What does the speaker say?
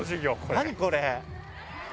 何これ？